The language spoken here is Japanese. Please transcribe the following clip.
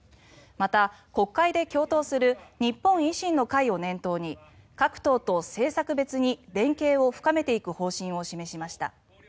また、国会で共闘する日本維新の会を念頭に各党と政策別に連携を深めていく方針を示しました。